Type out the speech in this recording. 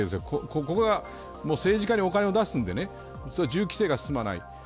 ここは政治家にお金を出すので銃規制が進まない。